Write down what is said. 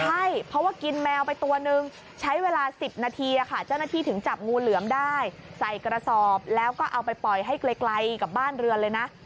ใช่เพราะว่ากินแมวไปตัวนึงใช้เวลา๑๐นาทีเจ้าหน้าที่ถึงจับงูเหลือมได้ใส่กระสอบแล้วก็เอาไปปล่อยให้ไกลกับบ้านเรือนเลยนะ